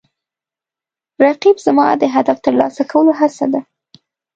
رقیب زما د هدف ترلاسه کولو هڅه ده